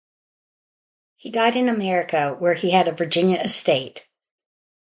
He died in America, where he had a Virginia estate.